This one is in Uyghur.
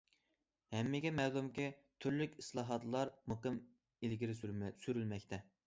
ھەممىگە مەلۇمكى، تۈرلۈك ئىسلاھاتلار مۇقىم ئىلگىرى سۈرۈلمەكتە.